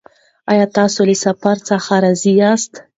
ایا تاسې له خپل سفر څخه راضي یاست؟